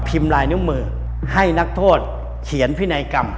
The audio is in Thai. ลายนิ้วมือให้นักโทษเขียนพินัยกรรม